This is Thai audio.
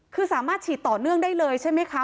คือสามารถฉีดต่อเนื่องได้เลยใช่ไหมคะ